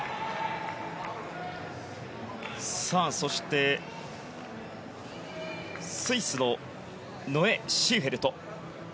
そしてスイスのノエ・シーフェルト。